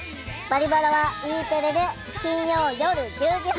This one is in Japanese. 「バリバラ」はＥテレで金曜夜１０時半。